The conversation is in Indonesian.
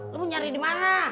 lo nyari di mana